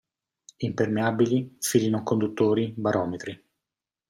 Impermeabili, fili non conduttori, barometri.